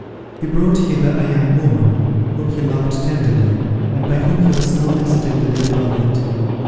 He brought hither a young woman, whom he loved tenderly, and by whom he was no less tenderly beloved.